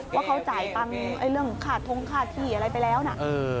ว่าเขาจ่ายตังค์เรื่องค่าทงค่าที่อะไรไปแล้วนะ